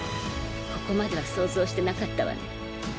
ここまでは想像してなかったわね。